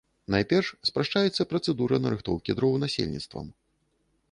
Найперш спрашчаецца працэдура нарыхтоўкі дроў насельніцтвам.